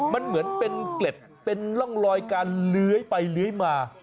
มันเหมือนเป็นเกล็ดเป็นร่องรอยการเลื้อยไปเลื้อยมา